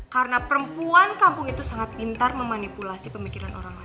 karena perempuan kampung itu sangat pintar memanipulasi pemikiran orang lain